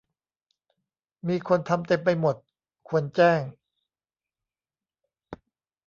มีคนทำเต็มไปหมด ควรแจ้ง